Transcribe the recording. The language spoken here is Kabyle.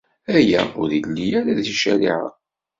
Aya ur illi ara di ccariɛa.